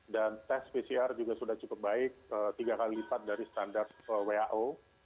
dan tes pcr juga sudah cukup baik tiga kali lipat dari standar wao